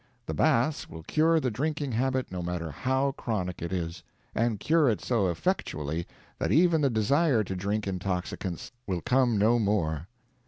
The baths will cure the drinking habit no matter how chronic it is and cure it so effectually that even the desire to drink intoxicants will come no more.